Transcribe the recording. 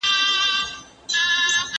د کلمو د سمې کارونې په برخه کي.